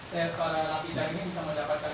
pr para nafi pr ini bisa mendapatkan